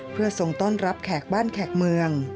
เพื่อทรงต้อนรับแขกบ้านแขกเมือง